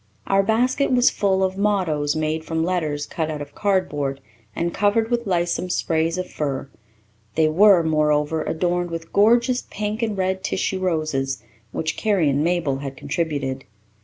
Our basket was full of mottoes made from letters cut out of cardboard and covered with lissome sprays of fir. They were, moreover, adorned with gorgeous pink and red tissue roses, which Carrie and Mabel had contributed.